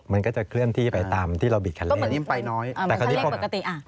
มันก็จะเคลื่อนที่ไปตามที่เราบิดคันเร่งก็เหมือนมันยิ่งไปน้อย